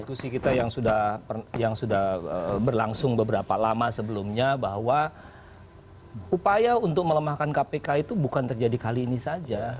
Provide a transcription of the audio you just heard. diskusi kita yang sudah berlangsung beberapa lama sebelumnya bahwa upaya untuk melemahkan kpk itu bukan terjadi kali ini saja